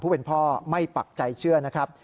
พ่อไม่ปักใจเชื่อนะครับ